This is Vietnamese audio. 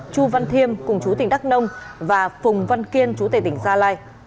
chu văn thiêm cùng chú tỉnh đắk nông và phùng văn kiên chú tệ tỉnh gia lai